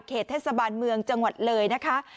เทศบาลเมืองจังหวัดเลยนะคะ